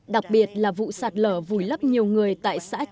đặc biệt là vụ sạt lở vùi lấp nhiều người tại xã trà